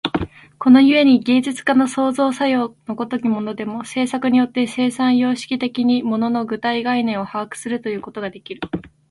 この故に芸術家の創造作用の如きものでも、制作によって生産様式的に物の具体概念を把握するということができる。